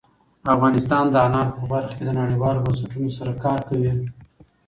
افغانستان د انارو په برخه کې له نړیوالو بنسټونو سره کار کوي.